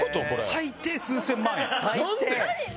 最低数千万。